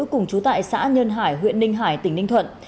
cùng chú tại xã nhân hải huyện ninh hải tỉnh ninh thuận